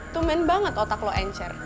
tumen banget otak lo encer